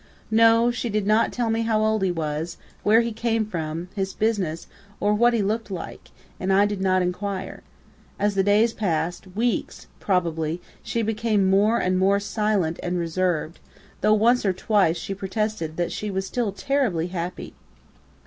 No, she did not tell me how old he was, where he came from, his business, or what he looked like, and I did not inquire. As the days passed weeks, probably, she became more and more silent and reserved, though once or twice she protested she was still 'terribly happy.'